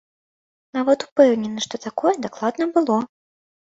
Нават упэўнены, што такое дакладна было.